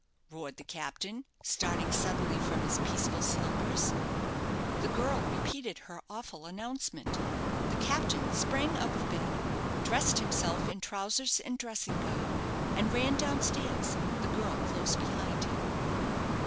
roared the captain, starting suddenly from his peaceful slumbers. The girl repeated her awful announcement. The captain sprang out of bed, dressed himself in trousers and dressing gown, and ran down stairs, the girl close behind him.